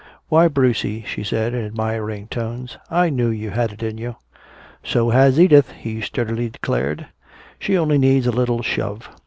"Why, Brucie," she said, in admiring tones, "I knew you had it in you." "So has Edith," he sturdily declared. "She only needs a little shove.